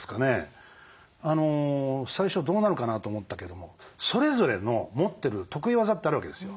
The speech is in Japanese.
最初はどうなるかなと思ったけどもそれぞれの持ってる得意技ってあるわけですよ。